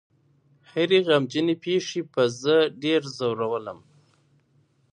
هرې غمجنې پېښې به زه ډېر ځورولم.